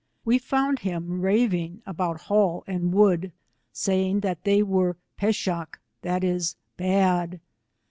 We found him raving about Hall and Wood, saying that they were peshaky that is, bad.